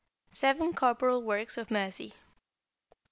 =Seven Corporal Works of Mercy.